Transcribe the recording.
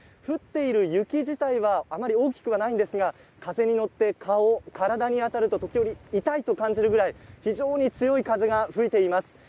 降っている雪自体は、あまり大きくないんですが風に乗って、顔、体に当たると痛いと感じるくらい非常に強い風が吹いています。